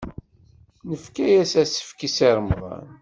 Nefka-as asefk i Si Remḍan.